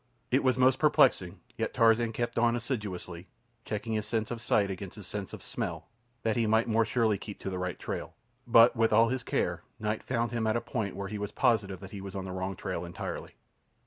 It was most perplexing; yet Tarzan kept on assiduously, checking his sense of sight against his sense of smell, that he might more surely keep to the right trail. But, with all his care, night found him at a point where he was positive that he was on the wrong trail entirely.